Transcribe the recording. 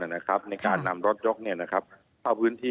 ในการนำรถยกเข้าพื้นที่